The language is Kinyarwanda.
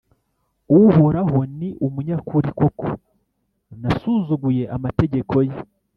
Uhoraho ni umunyakuri, koko nasuzuguye amategeko ye.